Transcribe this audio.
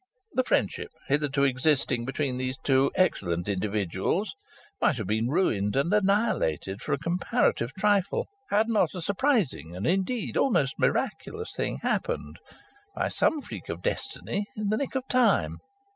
The friendship hitherto existing between these two excellent individuals might have been ruined and annihilated for a comparative trifle, had not a surprising and indeed almost miraculous thing happened, by some kind of freak of destiny, in the nick of time.